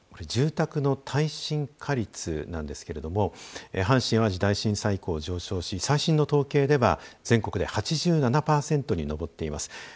住宅の耐震化率なんですけれども阪神・淡路大震災以降、上昇し最新の統計では全国で８７％に上っています。